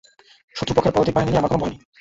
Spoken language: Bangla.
শত্রুপক্ষের পদাতিক বাহিনী নিয়ে আমার কোন ভয় নেই।